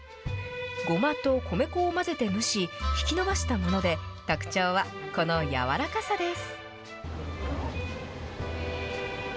ごまと米粉を混ぜて蒸し、引き延ばしたもので、特徴は、この軟らかさです。